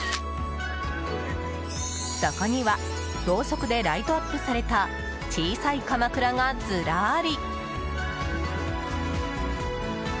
そこには、ろうそくでライトアップされた小さいかまくらがずらり。